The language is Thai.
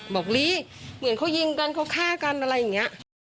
ลีเหมือนเขายิงกันเขาฆ่ากันอะไรอย่างนี้